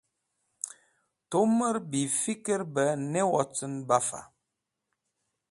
Tumẽr bifikri bẽ ne wocẽn baf.